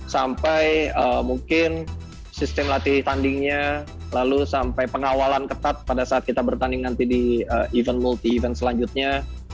sampai mungkin sistem latih tandingnya lalu sampai pengawalan ketat pada saat kita bertanding nanti di event multi event selanjutnya